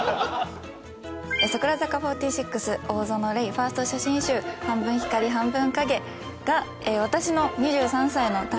櫻坂４６大園玲１ｓｔ写真集「半分光、半分影」が私の２３歳の誕生日